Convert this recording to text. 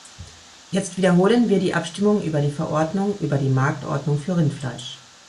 Jetzt wiederholen wir die Abstimmung über die Verordnung über die Marktordnung für Rindfleisch.